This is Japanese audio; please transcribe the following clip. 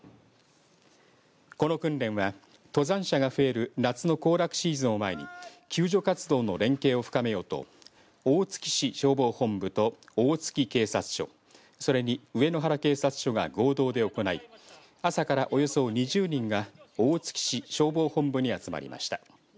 この訓練は登山者が増える夏の行楽シーズンを前に救助活動の連携を深めようと大月市消防本部と大月警察署それに上野原警察署が合同で行い朝からおよそ２０人が大月市消防本部に集まりました。